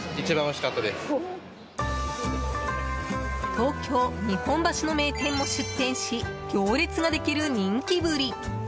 東京・日本橋の名店も出店し行列ができる人気ぶり。